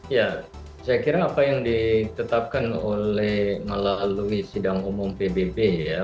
ya saya kira apa yang ditetapkan oleh melalui sidang umum pbb ya